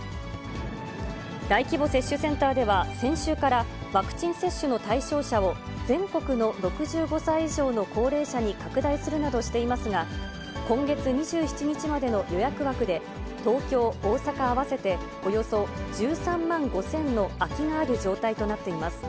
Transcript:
大規模接種センターでは、先週から、ワクチン接種の対象者を、全国の６５歳以上の高齢者に拡大するなどしていますが、今月２７日までの予約枠で、東京、大阪合わせておよそ１３万５０００の空きがある状態となっています。